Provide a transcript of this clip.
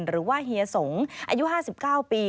หรือว่าเฮียสงค์อายุ๕๙ปี